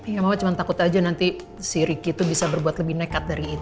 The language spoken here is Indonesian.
ya mama cuman takut aja nanti si riki itu bisa berbunuh